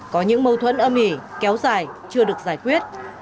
có những mâu thuẫn âm ỉ kéo dài chưa được giải quyết